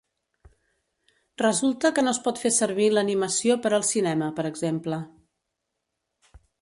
Resulta que no es pot fer servir l'animació per al cinema per exemple.